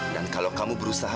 dan kalau kamu berusaha